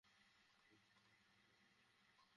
নিজের বাড়ি মনে করবেন।